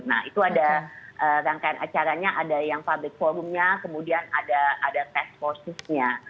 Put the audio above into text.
nah itu ada rangkaian acaranya ada yang public forumnya kemudian ada task forcesnya